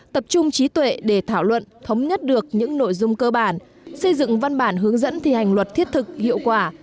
tập trung trí tuệ để thảo luận thống nhất được những nội dung cơ bản xây dựng văn bản hướng dẫn thi hành luật thiết thực hiệu quả